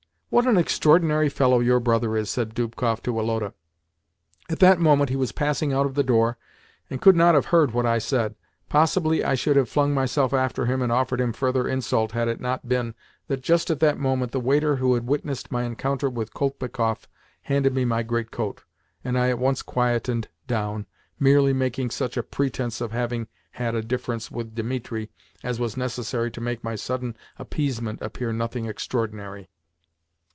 "What an extraordinary fellow your brother is!" said Dubkoff to Woloda. At that moment he was passing out of the door, and could not have heard what I said. Possibly I should have flung myself after him and offered him further insult, had it not been that just at that moment the waiter who had witnessed my encounter with Kolpikoff handed me my greatcoat, and I at once quietened down merely making such a pretence of having had a difference with Dimitri as was necessary to make my sudden appeasement appear nothing extraordinary.